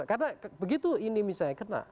karena begitu ini misalnya kena